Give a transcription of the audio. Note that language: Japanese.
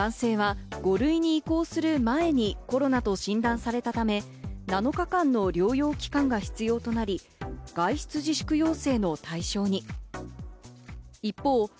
男性は５類に移行する前にコロナと診断されたため、７日間の療養期間が必要となり、外出自粛要請の対象に。